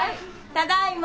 ただいま。